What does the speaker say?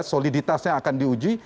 soliditasnya akan diuji